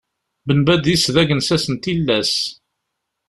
Ben Badis d agensas n tillas.